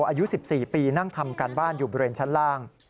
อายุ๑๔ปีนั่งทำการบ้านอยู่บริเวณชั้นล่าง